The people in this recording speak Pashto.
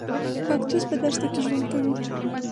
کاکتوس په دښته کې ژوند کوي